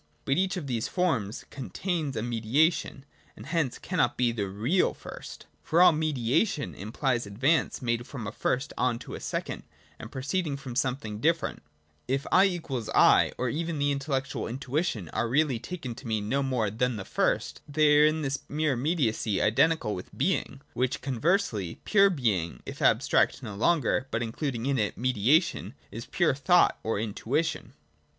But each of these forms con tains a mediation, and hence cannot be the real first : for all mediation implies advance made from a first on to a second, and proceeding from something different. If 1 = 1, or even the intellectual intuition, are really taken to mean no more than the first, they are in this mere immediacy identical with being : while conversely, pure being, if abstract no longer, but including in it mediation, is pure thought or intuition.